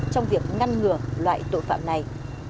trong việc ngăn ngừa loại tội phạm này